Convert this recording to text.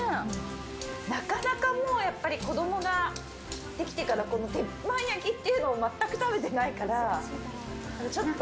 なかなか、子供ができてから鉄板焼きっていうのを全く食べてないからちょっと。